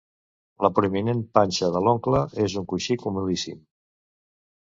La prominent panxa de l'oncle és un coixí comodíssim.